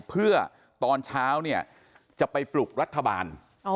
เพื่อตอนเช้าเนี่ยจะไปปลุกรัฐบาล